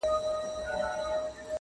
یا خو غښتلی یا بې اثر یې؛